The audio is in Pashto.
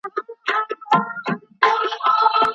د نړیوالو ډیپلوماټانو لخوا د افغانانو حقونه نه دفاع کیږي.